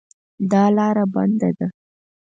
دا لار بنده ده